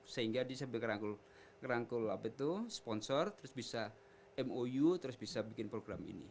sehingga dia bisa berangkul angkul apa itu sponsor terus bisa mou terus bisa bikin program ini